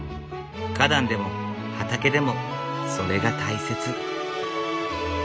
花壇でも畑でもそれが大切。